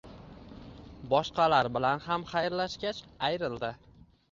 boshqalar bilan ham xayrlashgach, ayrildi.